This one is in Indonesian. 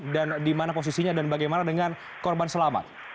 dan di mana posisinya dan bagaimana dengan korban selamat